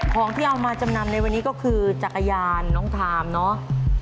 ของที่เอามาจำนำในวันนี้ก็คือจักรยานน้องทามเนาะ